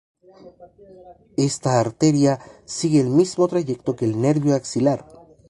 Esta arteria sigue el mismo trayecto que el nervio axilar.